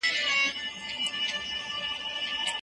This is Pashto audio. د استاد تجربه د شاګرد تر تجربې ډېره ده.